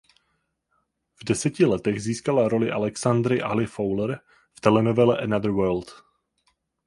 V deseti letech získala roli Alexandry "Ali" Fowler v telenovele "Another World".